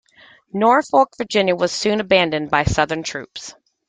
Norfolk, Virginia was soon abandoned by Southern troops.